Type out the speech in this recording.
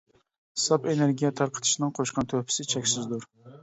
ساپ ئېنېرگىيە تارقىتىشنىڭ قوشقان تۆھپىسى چەكسىزدۇر!